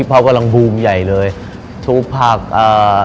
ฮิปพอปกำลังบูมใหญ่เลยทูพักอ่า